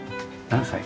何歳？